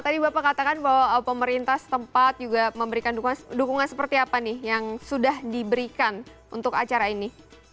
tadi bapak katakan bahwa pemerintah setempat juga memberikan dukungan seperti apa nih yang sudah diberikan untuk acara ini